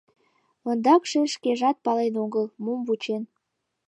Ондакше шкежат пален огыл, мом вучен.